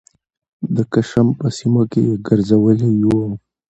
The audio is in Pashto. د کشم په سیمه کې یې ګرځولي یوو